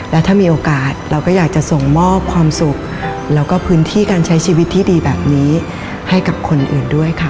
และถ้ามีโอกาสเราก็อยากจะส่งมอบความสุขแล้วก็พื้นที่การใช้ชีวิตที่ดีแบบนี้ให้กับคนอื่นด้วยค่ะ